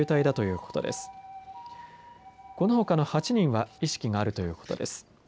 このほかの８人は意識があるということです。